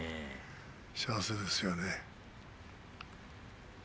幸せですよね。